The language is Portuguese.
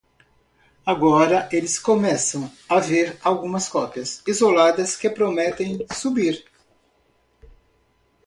Agora eles começam a ver algumas cópias isoladas que prometem subir.